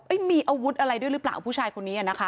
มีอาวุธอะไรด้วยหรือเปล่าผู้ชายคนนี้อ่ะนะคะ